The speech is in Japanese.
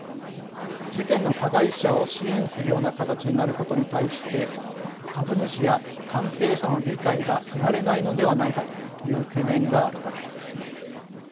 事件の加害者を支援するような形になることに対して「株主や関係者の理解が得られないのではないか」という懸念があるからです。